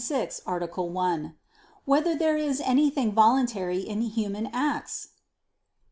6, Art. 1] Whether There Is Anything Voluntary in Human Acts?